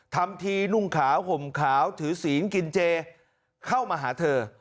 ทำทีนุ่งขาวห่มขาวถือศีลกินเจเข้ามาหาเธอ